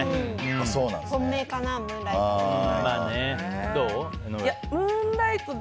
本命かな、ムーンライトが。